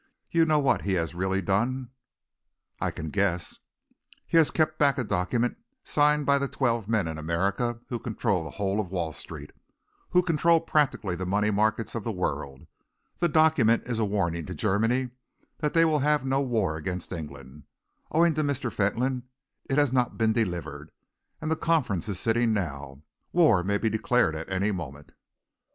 You know what he has really done?" "I can guess." "He has kept back a document signed by the twelve men in America who control the whole of Wall Street, who control practically the money markets of the world. That document is a warning to Germany that they will have no war against England. Owing to Mr. Fentolin, it has not been delivered, and the Conference is sitting now. War may be declared at any moment."